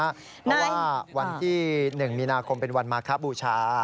เพราะว่าวันที่๑มีนาคมเป็นวันมาคบูชา